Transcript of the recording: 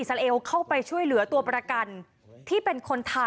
และก็จับกลุ่มฮามาสอีก๒๖คน